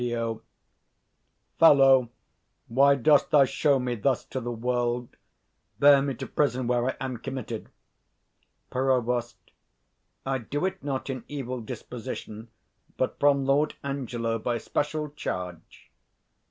_ Fellow, why dost thou show me thus to the world? 110 Bear me to prison, where I am committed. Prov. I do it not in evil disposition, But from Lord Angelo by special charge.